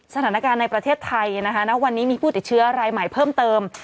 สถานการณ์ในประเทศไทยนะคะณวันนี้มีผู้ติดเชื้อรายใหม่เพิ่มเติม